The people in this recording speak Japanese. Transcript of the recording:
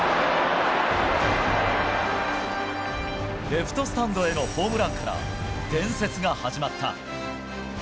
レフトスタンドへのホームランから伝説が始まった。